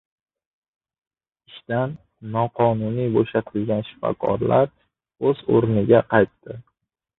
Ishdan noqonuniy bo‘shatilgan shifokorlar o‘z o‘rniga qaytdi